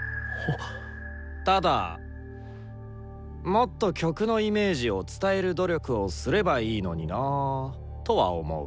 ただもっと曲のイメージを伝える努力をすればいいのになぁとは思う。